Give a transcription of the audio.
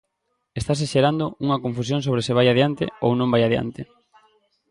Estase xerando unha confusión sobre se vai adiante ou non vai adiante.